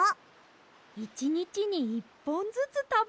いちにちに１ぽんずつたべれば。